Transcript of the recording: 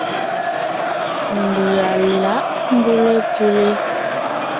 Mbʉ̀a lǎʼ mbʉ́le ?